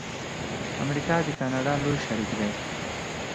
امریکا د کاناډا لوی شریک دی.